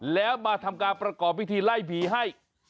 แล้วมาทำการประกอบพิธีไล่ผีให้